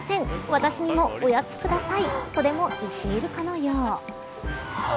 私にもおやつください。とでも言っているかのよう。